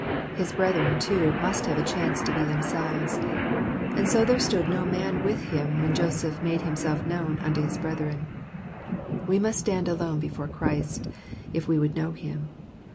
His brethren, too, must have a chance to be themselves. " And so there stood no man with him, while Joseph made himself known unto his brethren." We must stand alone before Christ, if we would know Him.